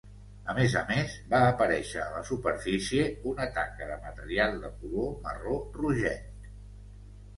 A més a més, va aparèixer a la superfície una taca de material de color marró rogenc.